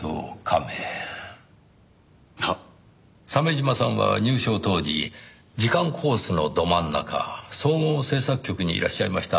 鮫島さんは入省当時次官コースのど真ん中総合政策局にいらっしゃいました。